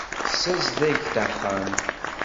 Nessazdeg-d axxam.